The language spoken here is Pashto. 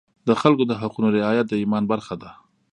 د خلکو د حقونو رعایت د ایمان برخه ده.